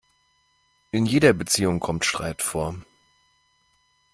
In jeder Beziehung kommt Streit vor.